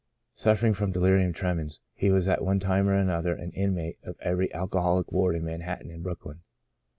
Suffering from delirium tremens he was at one time or another an inmate of every alcoholic ward in Manhattan and Brooklyn.